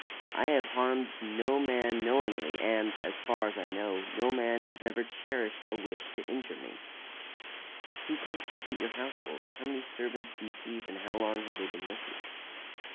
I have harmed no man knowingly and, as far as I know, no man has ever cherished a wish to injure me." "Who constitute your household? How many servants do you keep and how long have they been with you?"